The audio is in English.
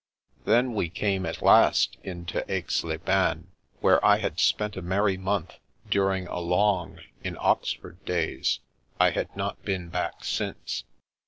Then we came at last into Aix les Bains, where I had spent a merry month during a " long," in Ox ford days. I had not been back since.